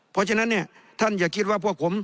เพราะฉะนั้นเนี่ยท่านอย่าคิดว่าพวกผม